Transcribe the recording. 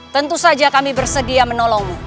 tentu saja kami bersedia menolongmu